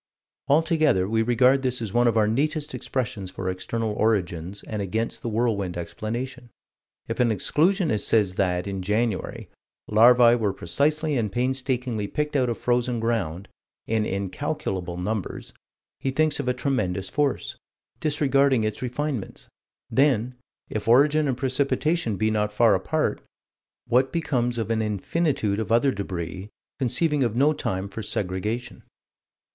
Altogether we regard this as one of our neatest expressions for external origins and against the whirlwind explanation. If an exclusionist says that, in January, larvae were precisely and painstakingly picked out of frozen ground, in incalculable numbers, he thinks of a tremendous force disregarding its refinements: then if origin and precipitation be not far apart, what becomes of an infinitude of other débris, conceiving of no time for segregation?